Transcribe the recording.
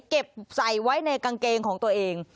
เก็บใส่ไว้ในกางเกงของตัวเอง